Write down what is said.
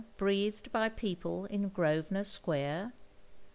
Breathed by people in Grosvenor Square!